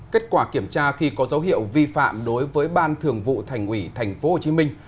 kết quả kiểm tra khi có dấu hiệu vi phạm đối với ban thường vụ thành ủy thành phố hồ chí minh